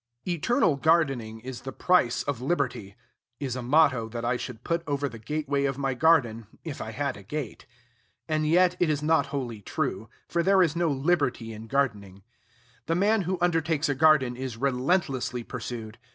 "Eternal gardening is the price of liberty," is a motto that I should put over the gateway of my garden, if I had a gate. And yet it is not wholly true; for there is no liberty in gardening. The man who undertakes a garden is relentlessly pursued.